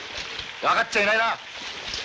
分かっちゃいないな！